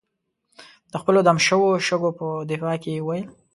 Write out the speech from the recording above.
د خپلو دم شوو شګو په دفاع کې یې وویل.